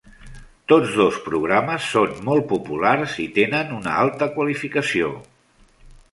Todos dos programes són molt populars i tenen una alta qualificació.